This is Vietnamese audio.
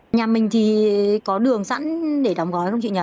ờ nhà mình thì có đường sẵn để đóng gói không chị nhỉ